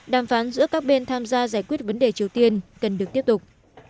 đàm phán giữa các bên tham gia giải quyết vấn đề triều tiên cần được tiếp tục